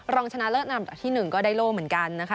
รองชนะเลิศอันดับที่๑ก็ได้โล่เหมือนกันนะคะ